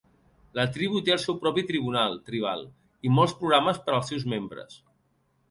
La tribu té el seu propi tribunal tribal i molts programes per als seus membres.